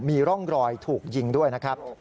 มีร่องรอยถูกยิงด้วยนะครับ